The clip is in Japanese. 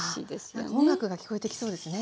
なんか音楽が聞こえてきそうですね。